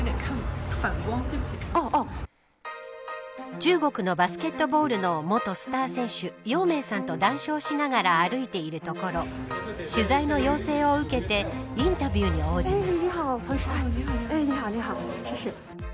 中国のバスケットボールの元スター選手姚明さんと談笑しながら歩いているところ取材の要請を受けてインタビューに応じます。